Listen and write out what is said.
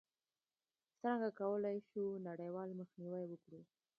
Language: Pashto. څرنګه کولای شو نړیوال مخنیوی وکړو؟